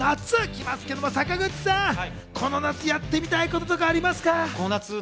夏が来ますけど、坂口さん、この夏やってみたいこととかありますか？